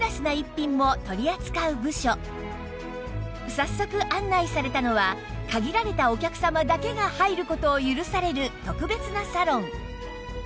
早速案内されたのは限られたお客様だけが入る事を許される特別なサロン